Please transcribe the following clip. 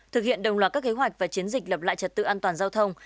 thực hiện đồng loạt các kế hoạch và chiến dịch lập lại trật tự an toàn giao thông